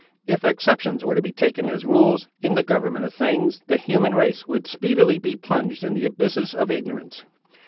If exceptions were to be taken as rules, in the government of things, the human race would speedily be plunged in the abysses of ignorance.